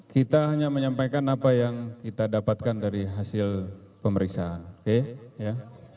kita hanya menyampaikan apa yang kita dapatkan dari hasil pemeriksaan oke ya